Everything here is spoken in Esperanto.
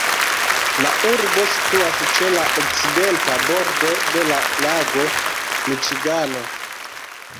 La urbo situas ĉe la okcidenta bordo de la lago Miĉigano.